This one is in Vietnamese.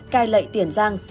cai lệ tiền giang